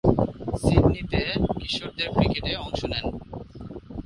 সিডনিতে কিশোরদের ক্রিকেটে অংশ নেন।